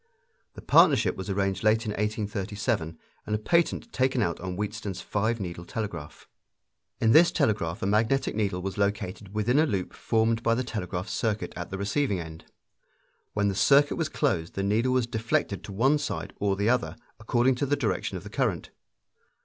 The partnership was arranged late in 1837, and a patent taken out on Wheatstone's five needle telegraph. In this telegraph a magnetic needle was located within a loop formed by the telegraph circuit at the receiving end. When the circuit was closed the needle was deflected to one side or the other, according to the direction of the current.